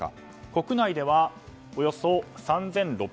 国内ではおよそ３６００人ほど。